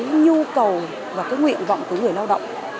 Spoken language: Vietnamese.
cái nhu cầu và cái nguyện vọng của người lao động